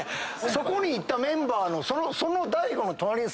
そこに行ったメンバーのその大悟の。